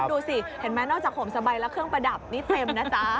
ดูสิเห็นไหมนอกจากห่มสบายแล้วเครื่องประดับนี่เต็มนะจ๊ะ